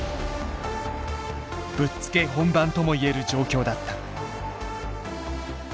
ぶっつけ本番とも言える状況だった。